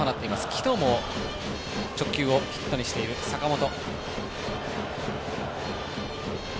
昨日も直球をヒットにしている坂本。